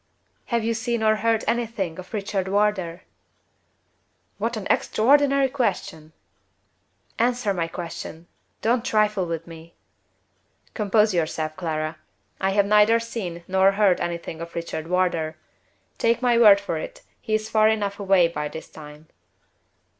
"Have you seen or heard anything of Richard Wardour?" "What an extraordinary question!" "Answer my question! Don't trifle with me!" "Compose yourself, Clara. I have neither seen nor heard anything of Richard Wardour. Take my word for it, he is far enough away by this time."